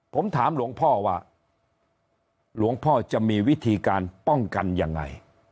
ผมถามหลวงพ่อว่าหลวงพ่อจะมีวิธีการป้องกันยังไง